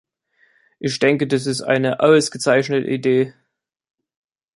Ich denke, dies ist eine ausgezeichnete Idee.